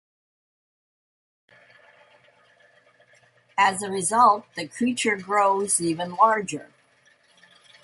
As a result, the creature grows even larger.